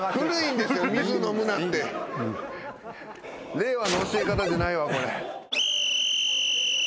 令和の教え方じゃないわこれ。